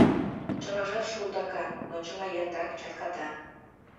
Чылажат шулдакан, но чыла яндар, чатката.